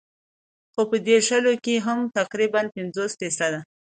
خو پۀ دې شلو کښې هم تقريباً پنځه فيصده